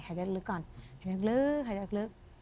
หายดรึกลึก